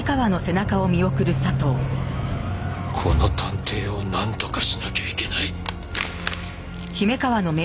この探偵をなんとかしなきゃいけない。